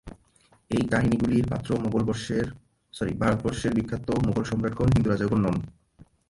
এই কাহিনীগুলির পাত্র ভারতবর্ষের বিখ্যাত মোগল সম্রাটগণ, হিন্দুরাজগণ নয়।